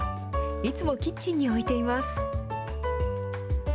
いつもキッチンに置いています。